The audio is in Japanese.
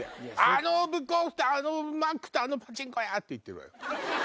あのブックオフとあのマックとあのパチンコ屋！って言ってる。